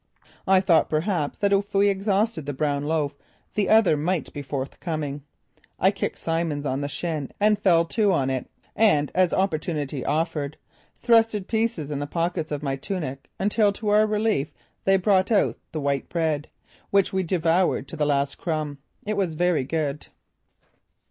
I thought perhaps that if we exhausted the brown loaf the other might be forthcoming. I kicked Simmons on the shins and fell to on it, and, as opportunity offered, thrust pieces in the pockets of my tunic until, to our relief, they brought out the white bread, which we devoured to the last crumb. It was very good.